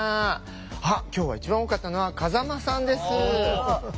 あっ今日は一番多かったのは風間さんです。